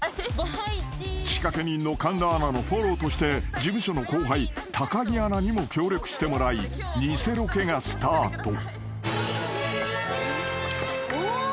［仕掛け人の神田アナのフォローとして事務所の後輩高木アナにも協力してもらい偽ロケがスタート］